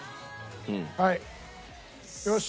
はいよし。